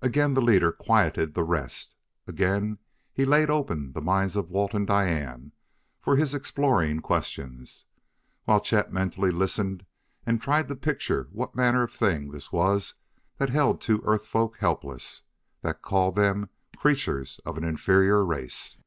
Again the leader quieted the rest; again he laid open the minds of Walt and Diane for his exploring questions, while Chet mentally listened and tried to picture what manner of thing this was that held two Earth folk helpless, that called them "creatures of an inferior race."